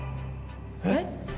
えっ？